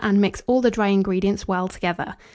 and mix all the dry ingredients well together.